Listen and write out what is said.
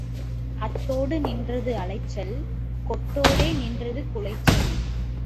அத்தோடு நின்றது அலைச்சல் கொட்டோடே நின்றது குலைச்சல்.